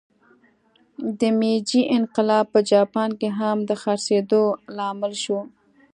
د میجي انقلاب په جاپان کې هم د څرخېدو لامل شو.